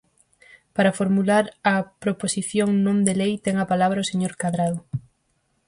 Para formular a proposición non de lei, ten a palabra o señor Cadrado.